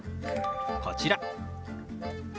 こちら。